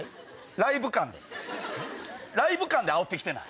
ライブ感であおって来てない？